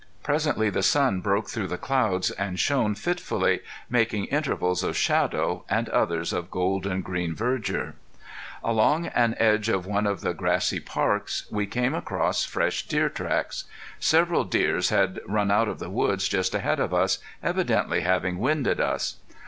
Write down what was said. Presently the sun broke through the clouds, and shone fitfully, making intervals of shadow, and others of golden green verdure. Along an edge of one of the grassy parks we came across fresh deer tracks. Several deer had run out of the woods just ahead of us, evidently having winded us.